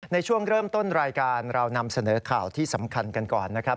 ในช่วงเริ่มต้นรายการเรานำเสนอข่าวที่สำคัญกันก่อนนะครับ